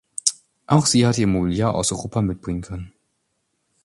Auch sie hatten ihr Mobiliar aus Europa mitbringen können.